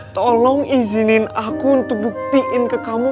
tolong izinin aku untuk buktiin ke kamu